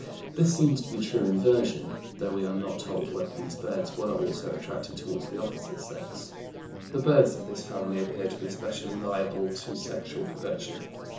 This seems to be true inversion, though we are not told whether these birds were also attracted toward the opposite sex. The birds of this family appear to be specially liable to sexual perversion.